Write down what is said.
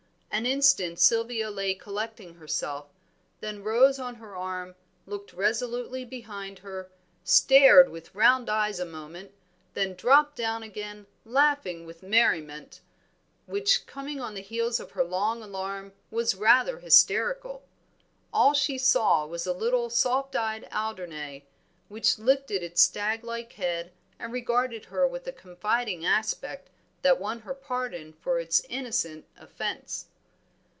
An instant Sylvia lay collecting herself, then rose on her arm, looked resolutely behind her, stared with round eyes a moment, and dropped down again, laughing with a merriment, which coming on the heels of her long alarm was rather hysterical. All she saw was a little soft eyed Alderney, which lifted its stag like head, and regarded her with a confiding aspect that won her pardon for its innocent offence.